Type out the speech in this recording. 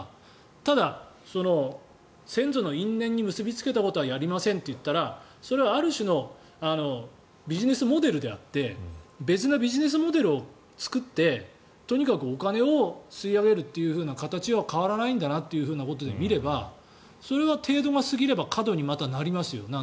ただ、先祖の因縁に結びつけたことはやりませんと言ったらそれはある種のビジネスモデルであって別なビジネスモデルを作ってとにかくお金を吸い上げるっていう形は変わらないんだということで見ればそれは程度が過ぎればまた過度になりますよ。